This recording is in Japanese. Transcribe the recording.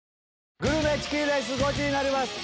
グルメチキンレースゴチになります！